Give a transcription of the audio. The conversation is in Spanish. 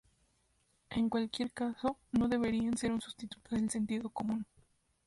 En cualquier caso, no deberían ser un sustituto del sentido común.